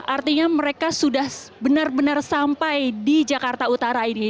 artinya mereka sudah benar benar sampai di jakarta utara ini